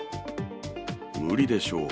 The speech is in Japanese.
無理でしょう。